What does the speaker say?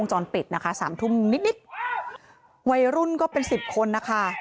จรปิดนะคะสามทุ่มนิดวัยรุ่นก็เป็นสิบคนนะคะ